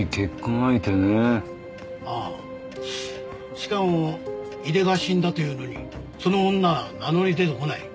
しかも井出が死んだというのにその女は名乗り出てこない。